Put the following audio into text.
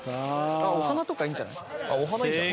お花とかいいんじゃない？